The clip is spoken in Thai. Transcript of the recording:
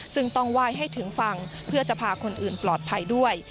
ซึ่งต้องไหว้ให้ถึงฝั่งเพื่อจะพาคนอื่นปลอดภัยด้วย